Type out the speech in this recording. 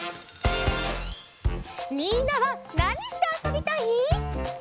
みんなはなにしてあそびたい？